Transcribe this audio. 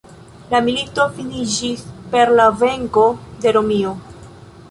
La milito finiĝis per la venko de Romio.